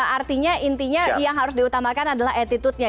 artinya intinya yang harus diutamakan adalah attitude nya